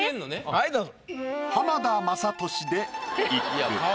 はいどうぞ。